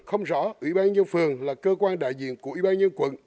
không rõ ủy ban nhân phường là cơ quan đại diện của ủy ban nhân quận